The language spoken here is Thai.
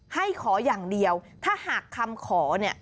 ให้ขออย่างเดียวถ้าหากคำขอเนี่ย